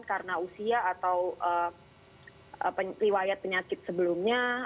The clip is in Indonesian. karena usia atau riwayat penyakit sebelumnya